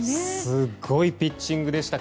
すごいピッチングでした。